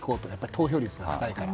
投票率が高いから。